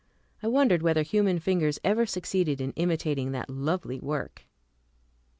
I wondered whether human fingers ever succeeded in imitating that lovely work.